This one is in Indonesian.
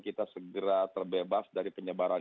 kita segera terbebas dari penyebaran